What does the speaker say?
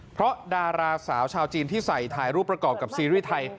เพราะดาราสาวชาวจีนที่ใส่ถ่ายรูปประกอบกับซีรีส์ไทย